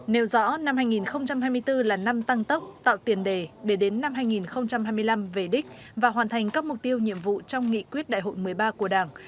nêu rõ năm hai nghìn hai mươi bốn là năm tăng tốc tạo tiền đề để đến năm hai nghìn hai mươi năm về đích và hoàn thành các mục tiêu nhiệm vụ trong nghị quyết đại hội một mươi ba của đảng